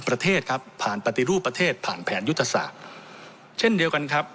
ประเทศครับผ่านปฏิรูปประเทศผ่านแผนยุทธศาสตร์เช่นเดียวกันครับ